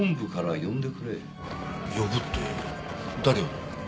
呼ぶって誰を？